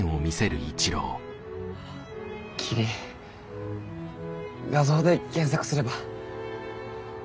キリン画像で検索すれば。